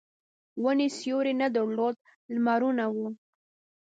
ونې سیوری نه درلود لمرونه وو.